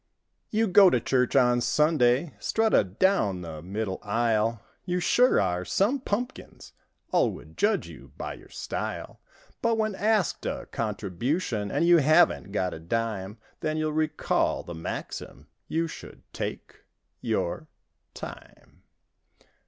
124 You go to church on Sunday Strut a down the middle aisle; You surely are "some pumpkins," All would judge you by your style; But when asked a contribution And you haven't got a dime, You'll then recall the maxim— "You—should—take—your—time."